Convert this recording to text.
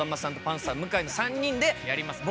パンサー向井の３人でやります。